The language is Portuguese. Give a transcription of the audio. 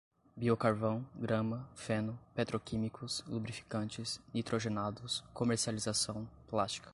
biocarvão, grama, feno, petroquímicos, lubrificantes, nitrogenados, comercialização, plástica